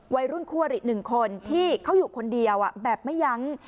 วัยรุ่นคู่อริ๑คนที่เขาอยู่คนเดียวแบบไม่ยั้ง